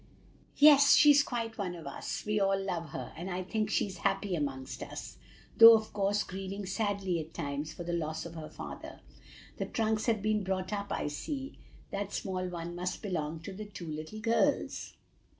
"Yes, she is quite one of us; we all love her, and I think she is happy among us, though of course grieving sadly at times for the loss of her father. The trunks have been brought up, I see. That small one must belong to the two little girls."